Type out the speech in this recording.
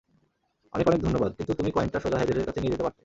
অনেক অনেক ধন্যবাদ, কিন্তু তুমি কয়েনটা সোজা হ্যাজেলের কাছে নিয়ে যেতে পারতে।